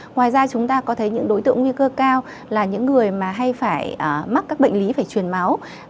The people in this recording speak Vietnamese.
ngoài ra chúng ta có thấy những đối tượng nguy cơ cao là những người mà hay phải mắc các bệnh lý phải truyền máu